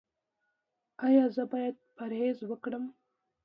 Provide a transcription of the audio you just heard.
ایا زه باید پرهیز وکړم؟